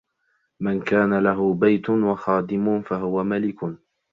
مَنْ كَانَ لَهُ بَيْتٌ وَخَادِمٌ فَهُوَ مَلِكٌ